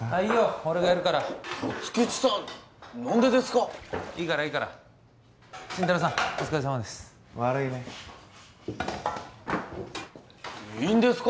俺がやるから辰吉さん何でですかいいからいいから新太郎さんお疲れさまです悪いねいいんですか？